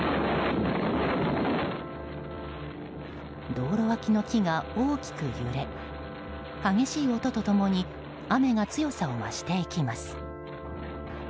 道路脇の木が大きく揺れ激しい音と共に雨が強さを増していきます。